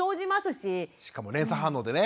しかも連鎖反応でね。